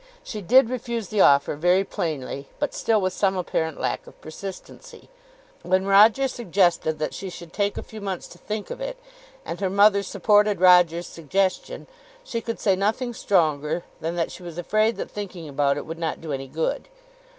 She did refuse the offer very plainly, but still with some apparent lack of persistency. When Roger suggested that she should take a few months to think of it, and her mother supported Roger's suggestion, she could say nothing stronger than that she was afraid that thinking about it would not do any good.